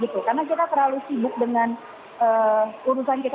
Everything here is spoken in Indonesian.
karena kita terlalu sibuk dengan urusan kita